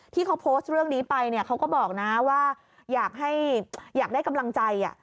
ที่เขาโพสต์เรื่องนี้ไปเนี่ยเขาก็บอกนะว่าอยากได้กำลังใจ